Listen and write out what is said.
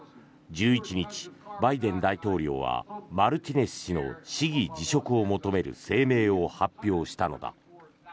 １１日、バイデン大統領はマルティネス氏の市議辞職を求める声明を発表したのだ。